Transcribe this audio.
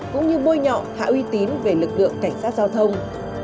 cũng như bôi nhọ hạ uy tín về lực lượng cảnh sát giao thông